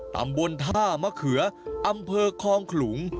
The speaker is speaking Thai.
ตำบลท่ามะเขืออำเภอคลองขลุง